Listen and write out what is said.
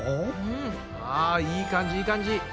あいい感じいい感じ。